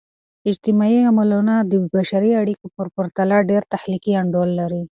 اجتماعي علمونه د بشري اړیکو په پرتله ډیر تخلیقي انډول لري.